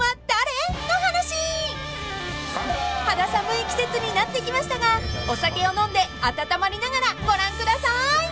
［肌寒い季節になってきましたがお酒を飲んであたたまりながらご覧ください］